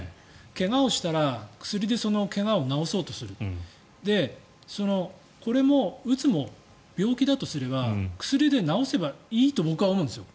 怪我をしたら薬でその怪我を治そうとするこれも、うつも病気だとすれば薬で治せばいいと僕は思うんですよ。